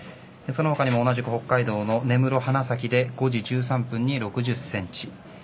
その他にも同じく北海道の根室花咲で５時１３分に６０センチ。